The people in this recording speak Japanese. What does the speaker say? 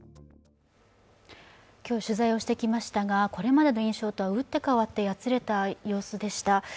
今日取材をしてきましたがこれまでの印象とは打って変わって、やつれた様子でした。